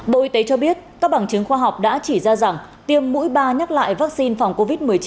bộ y tế cho biết các bằng chứng khoa học đã chỉ ra rằng tiêm mũi ba nhắc lại vaccine phòng covid một mươi chín